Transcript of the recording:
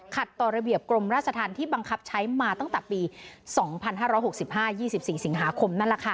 ขัดตรวจระเบียบกรมราชภัณฑ์ที่บังคับใช้มาตั้งแต่ปี๒๕๖๕๒๔สิงหาคม